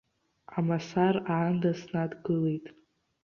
Амасар аанда снадгылеит.